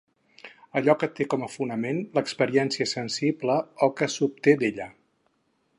Allò que té com a fonament l'experiència sensible o que s'obté d'ella.